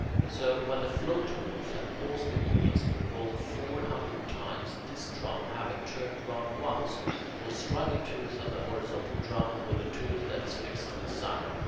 So, when the floatboards have caused the wheels to revolve four hundred times, this drum, having turned round once, will strike a tooth of the horizontal drum with the tooth that is fixed to its side.